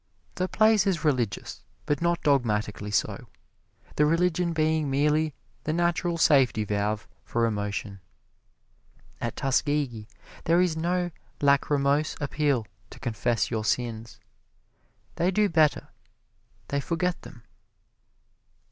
The place is religious, but not dogmatically so the religion being merely the natural safety valve for emotion. At Tuskegee there is no lacrimose appeal to confess your sins they do better they forget them.